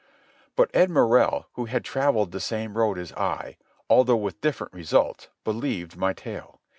But Ed Morrell, who had travelled the same road as I, although with different results, believed my tale.